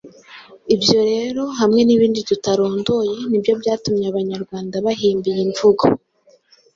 Ibyo rero hamwe n’ibindi tutarondoye ni byo byatumye Abanyarwanda bahimba iyi mvugo.